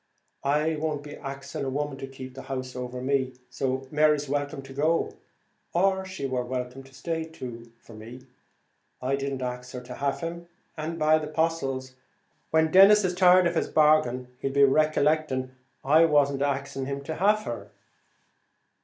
"I won't be axing a woman to keep the house over me; so Mary's welcome to go; or, she wor welcome to stay, too, for me. I didn't ax her to have him, and, by the 'postles, when Denis is tired of his bargain, he'll be recollecting I wasn't axing him to have her."